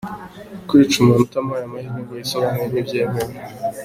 Kwica umuntu utamuhaye amahirwe ngo yisobanure ntibyemewe.